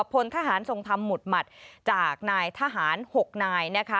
พลทหารทรงธรรมหมุดหมัดจากนายทหาร๖นายนะคะ